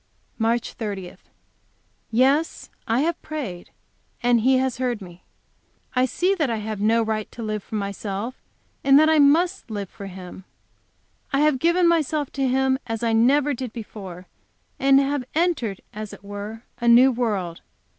MARCH, 30. Yes, I have prayed, and He has heard me. I see that I have no right to live for myself, and that I must live for Him. I have given myself to Him as I never did before, and have entered, as it were, a new world.